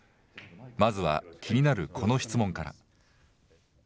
まずは気になるこの質問から。